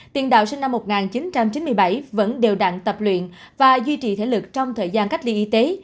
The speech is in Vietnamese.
tiền đạo sinh năm một nghìn chín trăm chín mươi bảy vẫn đều đặn tập luyện và duy trì thể lực trong thời gian cách ly y tế